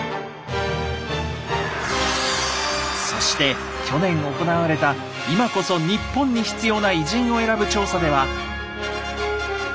そして去年行われた「今こそ日本に必要な偉人」を選ぶ調査では。